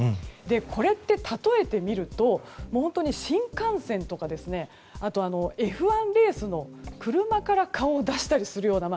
これってたとえてみると新幹線とかＦ１レースの車から顔を出したりするような。